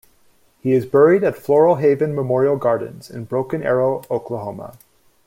He is buried at Floral Haven Memorial Gardens in Broken Arrow, Oklahoma.